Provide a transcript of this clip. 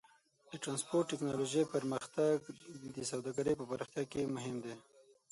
د ټرانسپورټ ټیکنالوجۍ پرمختګ د سوداګرۍ په پراختیا کې مهم دی.